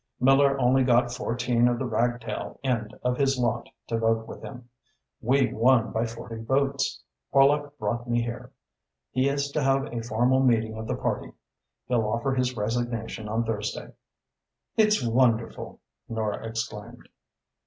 Miller only got fourteen of the ragtail end of his lot to vote with him. We won by forty votes. Horlock brought me here. He is to have a formal meeting of the party. He'll offer his resignation on Thursday." "It's wonderful!" Nora exclaimed.